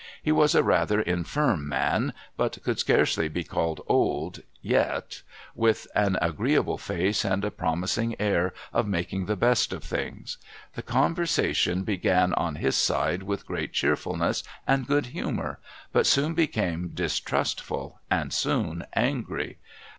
He was a rather infirm man, but could scarcely be called old yet, with an agreeable face and a promising air of making the best of things. The conversation began on his side with great cheerfulness and good humour, but soon became distrustful, and soon angry.